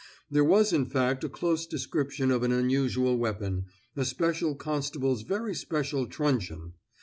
There was in fact a close description of an unusual weapon, a special constable's very special truncheon.